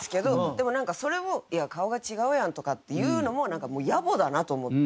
でもなんかそれを「いや顔が違うやん」とかって言うのも野暮だなと思って。